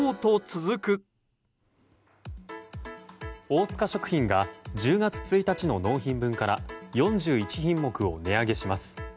大塚食品が１０月１日の納品分から４１品目を値上げします。